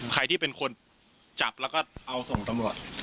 ใครที่เป็นคนจับแล้วก็เอาส่งตำรวจ